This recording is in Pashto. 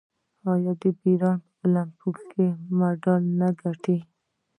آیا ایران په المپیک کې مډالونه نه ګټي؟